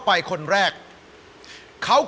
คุณปานได้หมวกกะเนาะ